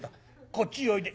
こっちへおいで。